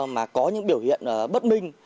mà có những biểu hiện bất minh